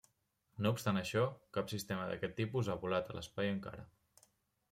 No obstant això, cap sistema d'aquest tipus ha volat a l'espai encara.